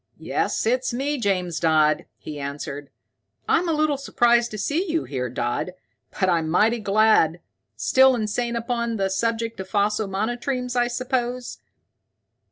"Yes, it's me, James Dodd," he answered. "I'm a little surprised to see you here, Dodd, but I'm mighty glad. Still insane upon the subject of fossil monotremes, I suppose?"